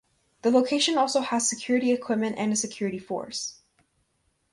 The location also has security equipment and a security force.